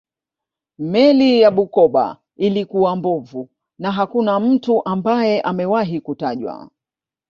Meli ya Bukoba ilikuwa mbovu na hakuna mtu ambaye amewahi kutajwa